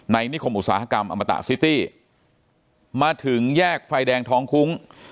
นิคมอุตสาหกรรมอมตะซิตี้มาถึงแยกไฟแดงท้องคุ้ง